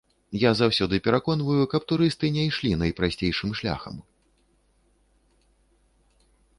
Я заўсёды пераконваю, каб турысты не ішлі найпрасцейшым шляхам.